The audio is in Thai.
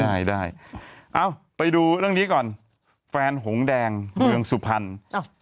ได้ได้เอ้าไปดูเรื่องนี้ก่อนแฟนหงแดงเมืองสุพรรณอ้าว